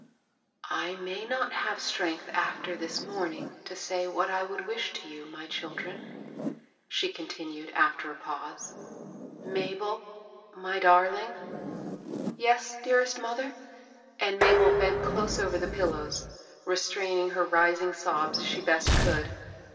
" I may not have strength after this morning to say what I would wish to you, my children," she continued, after a pause. " Mabel, my darling ?"" Yes, dearest mother ;" and Mabel bent close over the pillows, restraining her rising sobs as she best could.